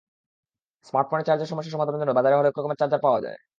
স্মার্টফোনের চার্জের সমস্যা সমাধানের জন্য বাজারে হরেক রকম চার্জার পাওয়া যায়।